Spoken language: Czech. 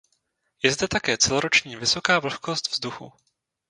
Je zde také celoroční vysoká vlhkost vzduchu.